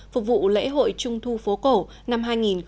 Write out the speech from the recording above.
phục vụ lễ hội trung thu phố cổ năm hai nghìn hai mươi